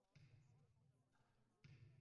yaxshi parlament bo‘lmaydi.